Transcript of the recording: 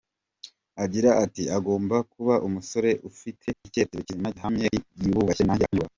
Agira ati "Agomba kuba umusore ufite icyerekezo kizima, gihamye kandi yiyubashye nanjye akanyubaha.